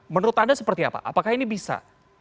menurut anda seperti apa apakah ini bisa